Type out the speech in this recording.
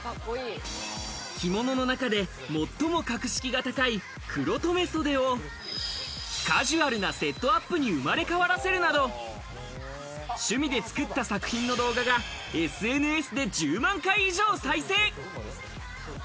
着物の中で最も格式が高い黒留袖をカジュアルなセットアップに生まれ変わらせるなど趣味で作った作品の動画がＳＮＳで１０万回以上再生。